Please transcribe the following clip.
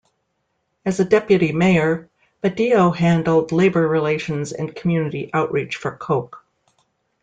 As a deputy mayor Badillo handled labor relations and community outreach for Koch.